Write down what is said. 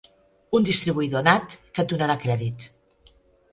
Un distribuïdor nat, que et donarà crèdit.